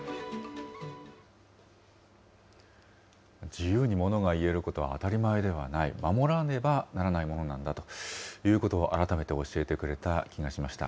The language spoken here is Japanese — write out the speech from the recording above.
自由にものが言えることは当たり前ではない、守らねばならないものなんだということを、改めて教えてくれた気がしました。